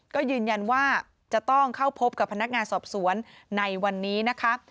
ก็ยืนยันว่าจะต้องเข้าพบกับพนักงานสอบสวนในวันนี้นะคะ